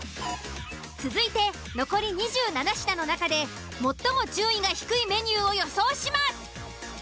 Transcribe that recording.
続いて残り２７品の中で最も順位が低いメニューを予想します。